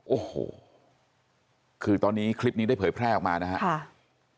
โอ้โหคือตอนนี้คลิปนี้ได้เผยแพร่ออกมานะครับ